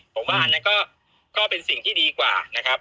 ผมว่าอันนั้นก็เป็นสิ่งที่ดีกว่านะครับ